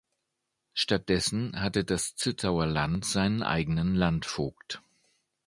Stattdessen hatte das Zittauer Land seinen eigenen Landvogt.